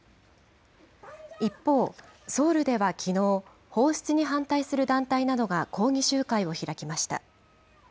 一方、ソウルではきのう、放出に反対する団体などが、抗議集会を開きました。